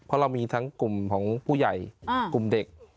เพราะเรามีทั้งกลุ่มของผู้ใหญ่กลุ่มเด็ก